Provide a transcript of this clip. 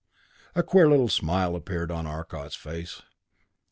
A queer little smile appeared on Arcot's face.